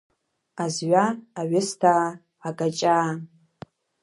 Азҩа, аҩысҭаа, акаҷаа…